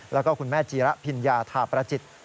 แล้วก็คุณแม่จีระพิญญาธาประจิต